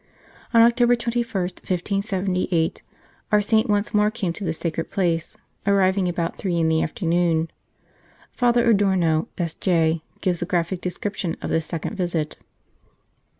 On October 21, 1578, our saint once more came to this sacred place, arriving about three in the afternoon. Father Adorno, S.J., gives a graphic description of this second visit.